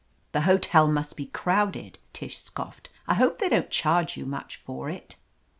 "The hotel must be crowded," Tish scoffed. "I hope they don't charge you much for it."